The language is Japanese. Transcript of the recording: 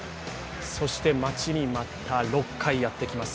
そして待ちに待った６階、やってきます。